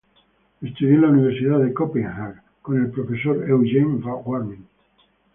Estudió en la Universidad de Copenhague con el profesor Eugen Warming.